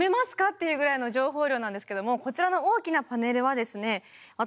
っていうぐらいの情報量なんですけどもこちらの大きなパネルはですねうわ